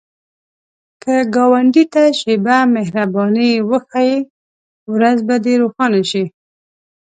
که ګاونډي ته شیبه مهرباني وښایې، ورځ به یې روښانه شي